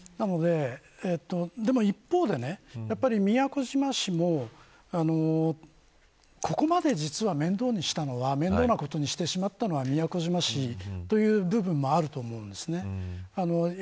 でも一方で宮古島市もここまで実は面倒なことにしてしまったのは宮古島市という部分もあると思います。